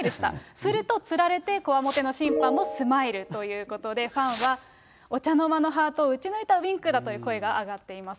するとつられてこわもての審判もスマイルということで、ファンは、お茶の間のハートを打ち抜いたウインクだという声が上がっています。